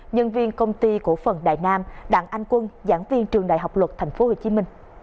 nhân viên công ty cổ phần đại nam đảng anh quân giảng viên trường đại học luật tp hcm